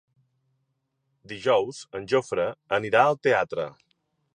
Dijous en Jofre anirà al teatre.